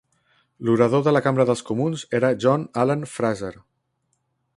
L'orador de la Cambra dels Comuns era John Allen Fraser.